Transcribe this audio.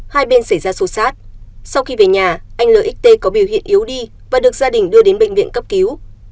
hai bên xảy ra xô xát sau khi về nhà anh lxt có biểu hiện yếu đi và được gia đình đưa đến bệnh viện cấp cứu